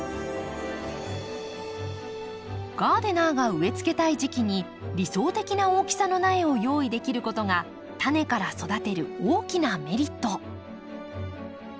ガーデナーが植えつけたい時期に理想的な大きさの苗を用意できることがタネから育てる大きなメリット。